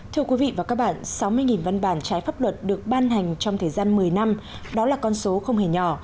thưa quý vị và các bạn sáu mươi văn bản trái pháp luật được ban hành trong thời gian một mươi năm đó là con số không hề nhỏ